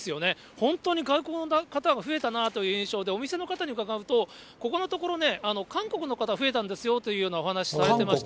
本当に外国の方が増えたなという印象で、お店の方に伺うと、ここのところね、韓国の方増えたんですよというようなお話しされてました。